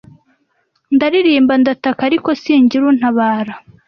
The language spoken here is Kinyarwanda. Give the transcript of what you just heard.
ndaririmba ndataka ariko singire untabara